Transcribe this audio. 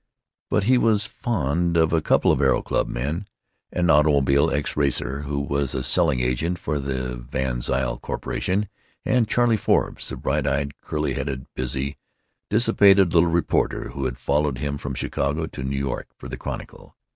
But he was fond of a couple of Aero Club men, an automobile ex racer who was a selling agent for the VanZile Corporation, and Charley Forbes, the bright eyed, curly headed, busy, dissipated little reporter who had followed him from Chicago to New York for the Chronicle.